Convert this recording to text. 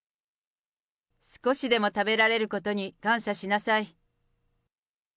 少しでも食べられることに感謝しなさい。